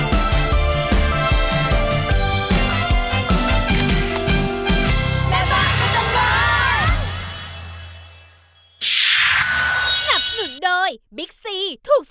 สวัสดีค่ะแม่บ้านพระจันทร์บ้านสวัสดีค่ะ